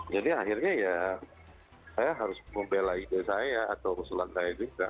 jadi akhirnya ya saya harus membela ide saya atau keseluruhan saya juga